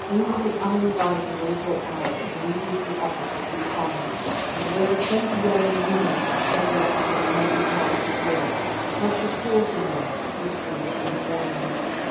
Into the uninviting little alley immediately opposite we plunged, and where the faint yellow luminance showed upon the muddy path before us, Fletcher paused a moment, whispering to me warningly.